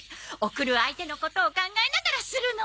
送る相手のことを考えながらするのです。